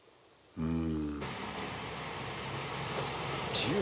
「うん」